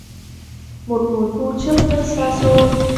Một mùa thu trước rất xa xôi